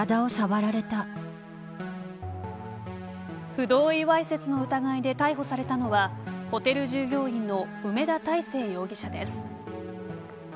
不同意わいせつ罪疑いで逮捕されたのはホテル従業員の梅田大成容疑者です。